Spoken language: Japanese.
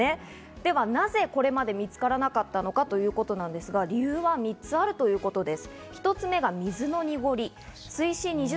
ではなぜ、これまで見つからなかったのかということなんですが、理由は３つあるということです。